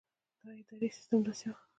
د ادارې سسټم داسې وو.